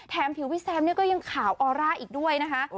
ผิวพี่แซมเนี่ยก็ยังขาวออร่าอีกด้วยนะคะ